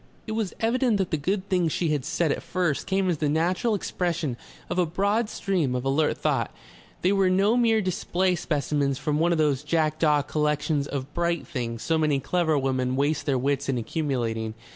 It was evident that the good things she had said at first came as the natural expression of a broad stream of alert thought; they were no mere display specimens from one of those jackdaw collections of bright things so many clever women waste their wits in accumulating.